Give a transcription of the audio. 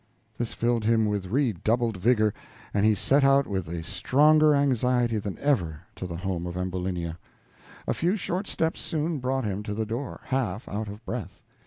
This filled him with redoubled vigor, and he set out with a stronger anxiety than ever to the home of Ambulinia. A few short steps soon brought him to the door, half out of breath.